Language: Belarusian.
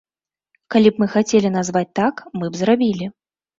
Калі б мы хацелі назваць так, мы б зрабілі.